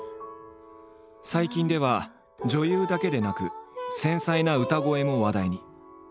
最近では女優だけでなく繊細な歌声も話題に。